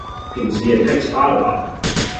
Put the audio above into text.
品質也太差了吧